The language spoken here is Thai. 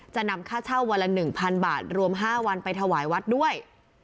จะนำค่าเช่าวันละ๑๐๐บาทรวม๕วันไปถวายวัดด้วย